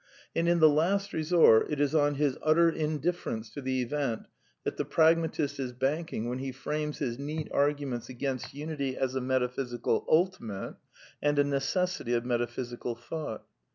And in the last resort it is on his utter indifference to the event that the pragmatist is banking when he frames his neat arguments against unity as a metaphysical ultimate and a necessity of metaphysical thought.